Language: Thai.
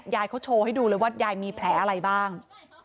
ยายเขาโชว์ให้ดูเลยว่ายายมีแผลอะไรบ้าง